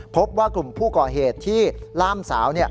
พบว่ากลุ่มผู้ก่อเหตุที่ล่ามสาว